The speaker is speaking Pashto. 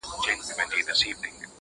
يادوي به د يارانو سفرونه!!